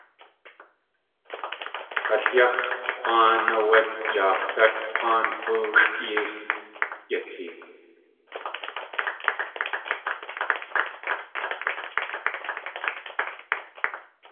G̲alyáx̲ K̲wáan áwé Yaakwdáat k̲wáan x̲ooxʼ yéi s yatee.